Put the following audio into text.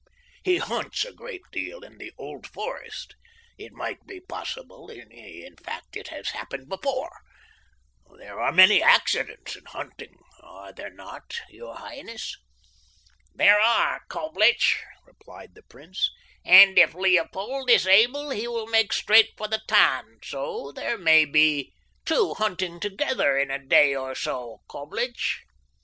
He hunts a great deal in the Old Forest. It might be possible—in fact, it has happened, before—there are many accidents in hunting, are there not, your highness?" "There are, Coblich," replied the prince, "and if Leopold is able he will make straight for the Tann, so that there may be two hunting together in a day or so, Coblich."